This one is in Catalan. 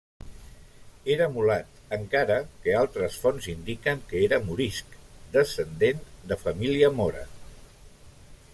Era mulat, encara que altres fonts indiquen que era morisc, descendent de família mora.